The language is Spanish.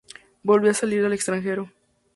Volvía a salir al extranjero.